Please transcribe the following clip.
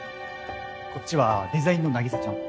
こっちはデザインの凪沙ちゃん。